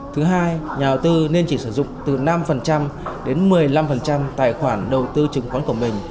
thứ hai nhà đầu tư nên chỉ sử dụng từ năm đến một mươi năm tài khoản đầu tư chứng khoán của mình